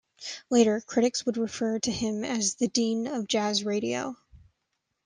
Later, critics would refer to him as "the dean of jazz radio".